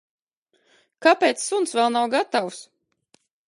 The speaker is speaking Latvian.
Kāpēc suns vēl nav gatavs?